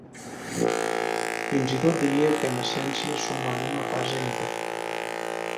Fins i tot diria que en essència som en una fase anterior.